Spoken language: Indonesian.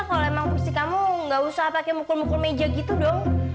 kalo emang mesti kamu gak usah pake mukul mukul meja gitu dong